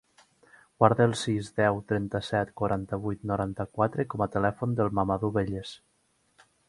Guarda el sis, deu, trenta-set, quaranta-vuit, noranta-quatre com a telèfon del Mahamadou Belles.